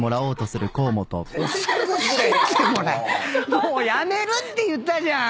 もうやめるって言ったじゃん！